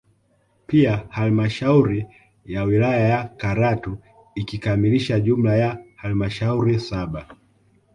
Pia halmashauri ya wilaya ya Karatu ikikamilisha jumla ya halmashauri saba